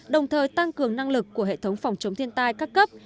đồng thời tăng cường năng lực của hệ thống phòng chống thiên tai các cấp